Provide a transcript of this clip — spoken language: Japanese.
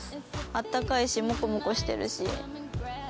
暖かいしモコモコしてるし。